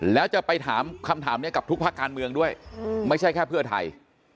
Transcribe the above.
แล้วจะไปถามคำถามนี้กับทุกภาคการเมืองด้วยไม่ใช่แค่เพื่อไทย